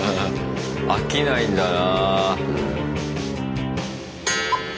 飽きないんだな。